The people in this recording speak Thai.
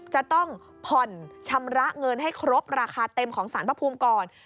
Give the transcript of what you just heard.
จะต้องผ่อนชำระเงินให้ครบราคาเต็มของสารพระภูมิก่อน